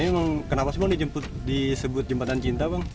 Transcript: ini emang kenapa semua disebut jembatan cinta bang